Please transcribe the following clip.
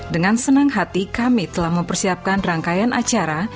dengan senang hati kami telah mempersiapkan rangkaian acara